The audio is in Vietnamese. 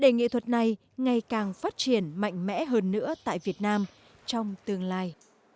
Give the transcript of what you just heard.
để nghệ thuật này ngày càng phát triển mạnh mẽ hơn nữa tại việt nam trong tương lai